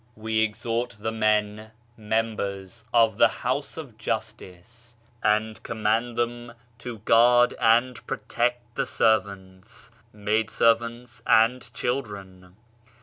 " We exhort the men [members] of the House of Justice, and command them to guard and protect the servants, maid servants and children.